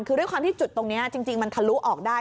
คือด้วยความที่จุดตรงนี้จริงมันทะลุออกได้